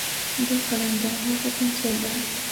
دا قلم ده، هاغه پینسل ده.